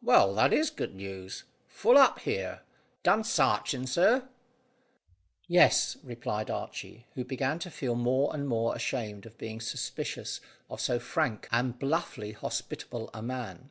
Well, that is good news. Full up here. Done sarching, sir?" "Yes," replied Archy, who began to feel more and more ashamed of being suspicious of so frank and bluffly hospitable a man.